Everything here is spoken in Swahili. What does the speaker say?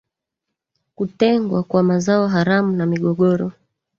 kutengwa kwa mazao haramu na migogoro